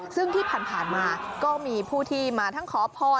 ซึ่งที่ผ่านมาก็มีผู้ที่มาทั้งขอพร